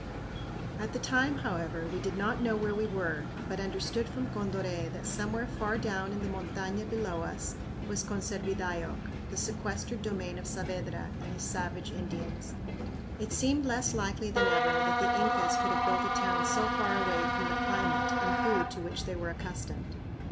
At the time, however, we did not know where we were, but understood from Condoré that somewhere far down in the montaña below us was Conservidayoc, the sequestered domain of Saavedra and his savage Indians. It seemed less likely than ever that the Incas could have built a town so far away from the climate and food to which they were accustomed.